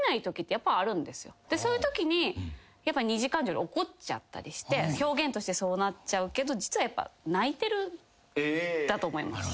そういうときに二次感情で怒っちゃったりして表現としてそうなっちゃうけど実は泣いてるんだと思います。